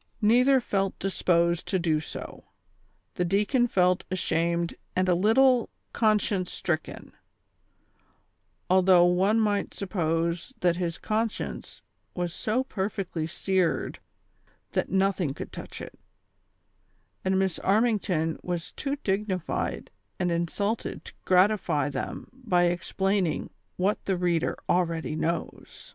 " Neither felt disposed to do so. The deacon felt ashamed and a little conscience stricken, although one might sup pose that his conscience was so perfectly seared that noth ing could touch it ; and Miss Armington was too dignified and insulted to gratify them by explaining what the reader already knows.